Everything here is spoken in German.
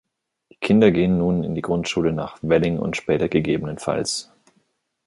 Die Kinder gehen nun in die Grundschule nach Welling und später ggf.